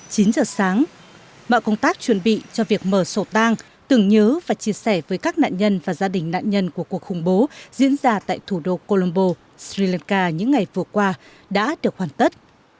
chín giờ sáng mọi công tác chuẩn bị cho việc mở sổ tang tưởng nhớ và chia sẻ với các nạn nhân và gia đình nạn nhân của cuộc khủng bố diễn ra tại thủ đô colombo sri lanka những ngày vừa qua đã được hoàn tất